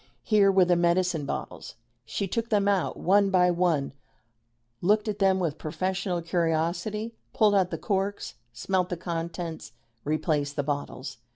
Here were the medicine bottles. She took them out one by one, looked at them with professional curiosity, pulled out the corks, smelt the contents, replaced the bottles.